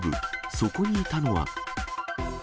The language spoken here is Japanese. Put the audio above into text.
そこにいたのは？